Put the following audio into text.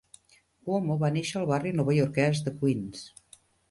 Cuomo va néixer al barri novaiorquès de Queens.